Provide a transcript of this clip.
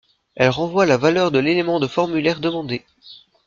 Elle renvoie la valeur de l'élément de formulaire demandée.